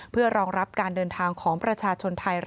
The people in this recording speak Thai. เพื่อรองรับการเดินทางของประชาชนไทย